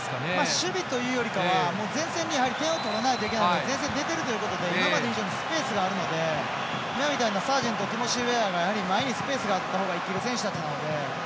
守備というよりかは点を取らないといけないので前線に出ているということで今まで以上にスペースがあるのでサージェントティモシー・ウェアは前にスペースがあったほうが生きる選手だったので。